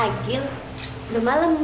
agil udah malem